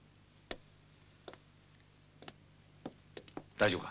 大丈夫か？